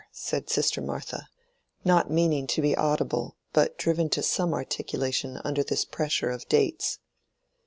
said sister Martha, not meaning to be audible, but driven to some articulation under this pressure of dates.